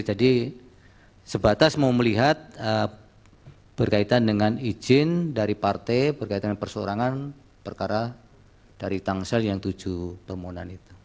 jadi sebatas mau melihat berkaitan dengan izin dari partai berkaitan persoarangan perkara dari tangsel yang tujuh permohonan itu